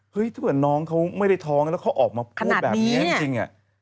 ถ้าเกิดน้องเขาไม่ได้ท้องแล้วเขาออกมาพูดแบบนี้จริง